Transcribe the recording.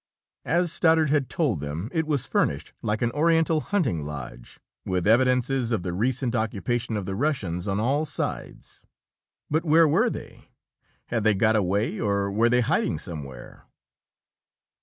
As Stoddard had told them, it was furnished like an Oriental hunting lodge, with evidences of the recent occupation of the Russians on all sides. But where were they? Had they got away or were they hiding somewhere?